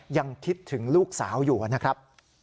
ยังคิดถึงลูกสาวอยู่นะครับ